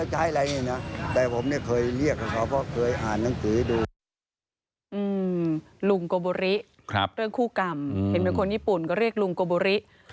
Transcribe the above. เห็นเปลี่ยวคนญี่ปุ่นก็เรียกลุงโกบุริ